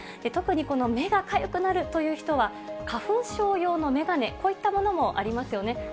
特に、この目がかゆくなるという人は、花粉症用の眼鏡、こういったものもありますよね。